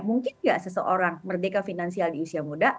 mungkin nggak seseorang merdeka finansial di usia muda